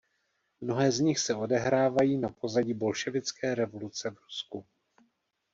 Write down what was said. Mnohé z nich se odehrávají na pozadí bolševické revoluce v Rusku.